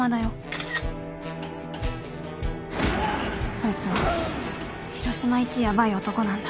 そいつは広島いちヤバい男なんだ。